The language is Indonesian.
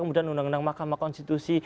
kemudian undang undang mahkamah konstitusi